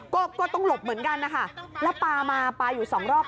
ก็ก็ต้องหลบเหมือนกันนะคะแล้วปลามาปลาอยู่สองรอบ